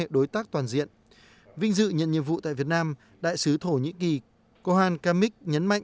đối tác toàn diện vinh dự nhận nhiệm vụ tại việt nam đại sứ thổ nhĩ kỳ cohan kamik nhấn mạnh